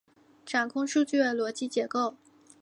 掌握数据的逻辑结构